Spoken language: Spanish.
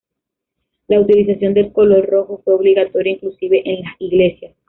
La utilización del color rojo fue obligatoria inclusive en las Iglesias.